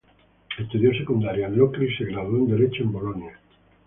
Estudió secundaria en Locri y se graduó en derecho en Bolonia.